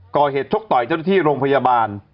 ชกต่อยเจ้าหน้าที่โรงพยาบาล